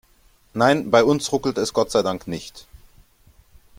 Nein, bei uns ruckelt es Gott sei Dank nicht.